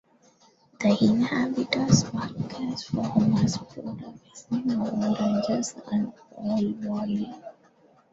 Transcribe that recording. The inhabitants work as farmers producing oranges and olive oil.